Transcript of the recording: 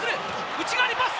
内側にパス！